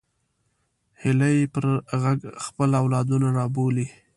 هیلۍ پر غږ خپل اولادونه رابولي